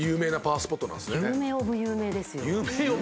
有名オブ有名ですよ。